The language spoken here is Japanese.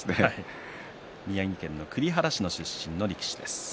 宮城県栗原市出身の力士です。